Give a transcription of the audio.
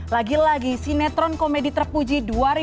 lagi lagi sinetron komedi terpuji dua ribu lima